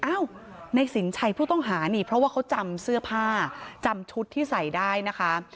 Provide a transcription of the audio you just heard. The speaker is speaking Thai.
อ้าวในสินชัยผู้ต้องหานี่เพราะว่าเขาจำเสื้อผ้าจำชุดที่ใส่ได้นะคะ